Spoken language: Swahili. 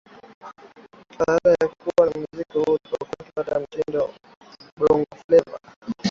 Baada ya kukua kwa muziki huu ndipo ukapatikana mtindo wa uimbaji wa Bongofleva